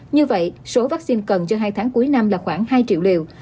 như vậy số vaccine cần cho hai tháng cuối năm là khoảng hai triệu liều